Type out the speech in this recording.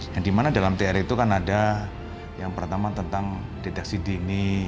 yang dimana dalam tr itu kan ada yang pertama tentang deteksi dini